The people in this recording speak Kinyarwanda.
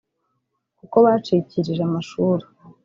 kuko bacikirije amashuri